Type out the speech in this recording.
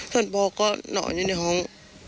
ส่วนพ่อก็นอนอยู่ในห้อง